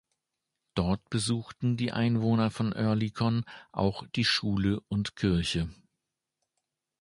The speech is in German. Dort besuchten die Einwohner von Oerlikon auch die Schule und Kirche.